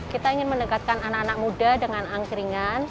kita ingin mendekatkan anak anak muda dengan angkringan